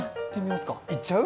言っちゃう？